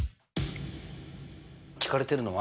聞かれてるのは？